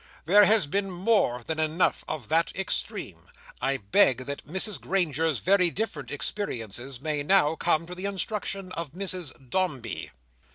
There has been more than enough of that extreme. I beg that Mrs Granger's very different experiences may now come to the instruction of Mrs Dombey."